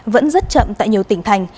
vẫn rất chậm tại nhiều tỉnh thành